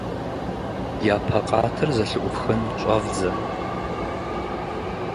Начни уборку на первом этаже, в зале.